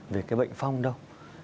về cái bệnh phong đâu